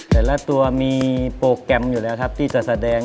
แต่ละตัวมีโปรแกรมอยู่แล้วครับที่จะแสดง